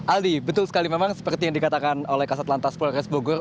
aldi betul sekali memang seperti yang dikatakan oleh kasat lantas polres bogor